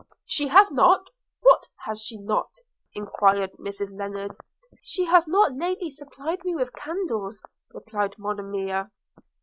'She has not! – what has she not?' enquired Mrs Lennard. 'She has not lately supplied me with candles,' replied Monimia.